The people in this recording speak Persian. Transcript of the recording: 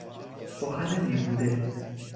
سخن بیهوده